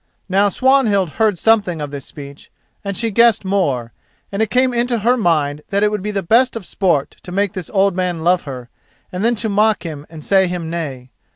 Now, Swanhild heard something of this speech, and she guessed more; and it came into her mind that it would be the best of sport to make this old man love her, and then to mock him and say him nay.